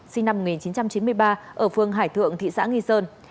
sinh năm một nghìn chín trăm chín mươi ba ở phương hải thượng thị xã nghi sơn